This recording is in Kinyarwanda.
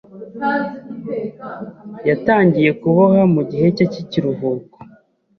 Yatangiye kuboha mu gihe cye cy'ikiruhuko.